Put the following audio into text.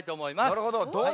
なるほど。